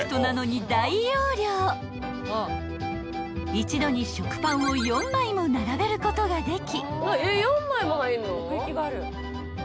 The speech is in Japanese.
［一度に食パンを４枚も並べることができ］